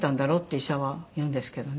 医者は言うんですけどね。